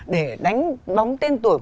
để đánh bóng tên tuổi